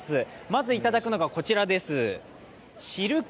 まずいただくのがこちらです。